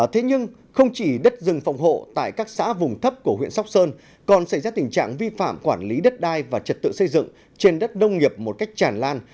thế nhưng không chỉ đất rừng phòng hộ tại các xã vùng thấp của huyện sóc sơn còn xảy ra tình trạng vi phạm quản lý đất đai và trật tự xây dựng trên đất nông nghiệp một cách tràn lan